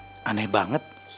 tuh kan aneh banget